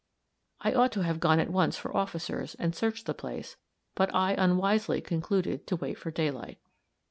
I ought to have gone at once for officers, and searched the place; but I unwisely concluded to wait for daylight.